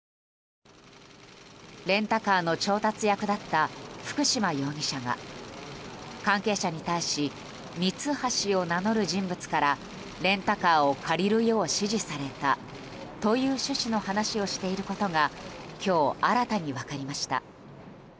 レンタカーの調達役だった福島容疑者が関係者に対しミツハシを名乗る人物からレンタカーを借りるよう指示されたという趣旨の話をしていることが今日新たに分かりました。